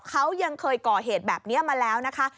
เขายังเคยก่อเหตุแบบนี้มาแล้วนะคะ